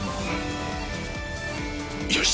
よし！